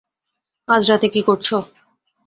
আজ রাতে কী করছো?